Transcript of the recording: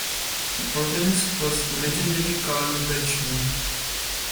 The organist was the legendary Carl Welshman.